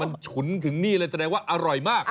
มันฉุนถึงนี่เลยแสดงว่าอร่อยมาก